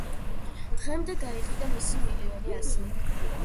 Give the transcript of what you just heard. დღემდე გაიყიდა მისი მილიონი ასლი.